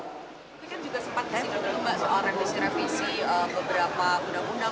tapi kan juga sempat kasih dulu mbak soal revisi revisi beberapa undang undang